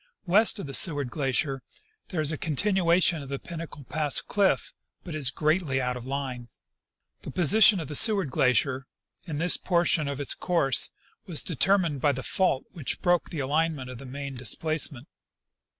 West of the Seward glacier there is a continuation of the Pin nacle pass cliff, but it is greatly out of line. The position of the ScAvard glacier, in this portion of its course, was determined by the fault Avhich broke the alignment of the main displacement.